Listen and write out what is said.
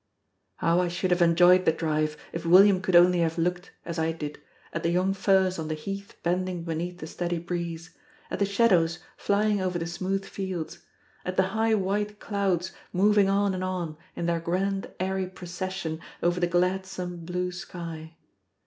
How I should have enjoyed the drive if William could only have looked, as I did, at the young firs on the heath bending beneath the steady breeze; at the shadows flying over the smooth fields; at the high white clouds moving on and on, in their grand airy procession over the gladsome blue sky!